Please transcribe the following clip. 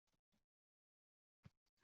Ammo nimadan boshlash kerak?